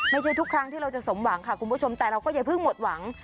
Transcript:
ไม่ใช่ทุกครั้งที่เราจะสมหวังค่ะคุณผู้ชมแต่เราก็อย่าเพิ่งหมดหวัง